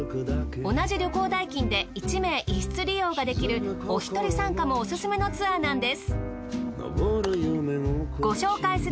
同じ旅行代金で１名１室利用ができるおひとり参加もオススメのツアーなんです。